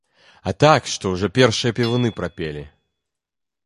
А так, што ўжо першыя певуны прапелі.